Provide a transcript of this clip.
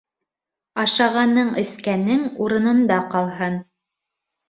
Ашағаның-эскәнең урынында ҡалһын.